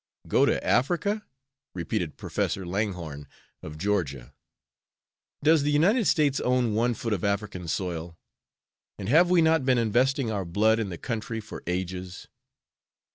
"Go to Africa?" repeated Professor Langhorne, of Georgia. "Does the United States own one foot of African soil? And have we not been investing our blood in the country for ages?"